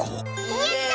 やった！